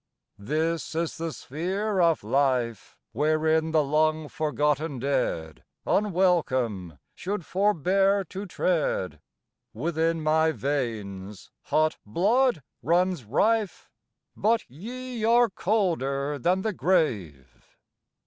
This is the sphere of life, Wherein the long forgotten dead Unwelcome should forbear to tread, Within my veins hot blood runs rife, But ye are colder than the grave!